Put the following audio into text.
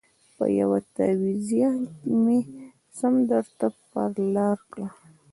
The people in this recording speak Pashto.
په یوه تعویذ مي سم درته پر لار کړ